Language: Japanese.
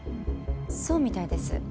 そうみたいです。